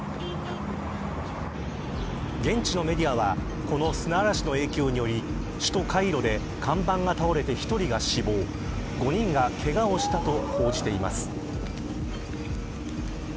現地のメディアはこの砂嵐の影響により首都カイロで看板が倒れて１人が死亡５人がけがをしたと報じています。